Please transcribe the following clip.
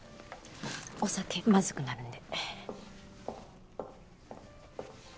お酒まずくなるんで。